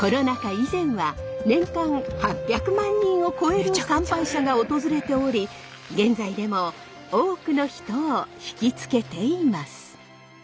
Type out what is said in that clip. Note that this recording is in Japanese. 以前は年間８００万人を超える参拝者が訪れており現在でも多くの人をひきつけています。